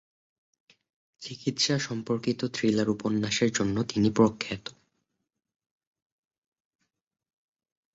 চিকিৎসা সম্পর্কিত থ্রিলার উপন্যাসের জন্য তিনি প্রখ্যাত।